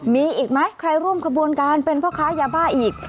มีอีกไหมใครร่วมขบวนการเป็นพ่อค้ายาบ้าอีก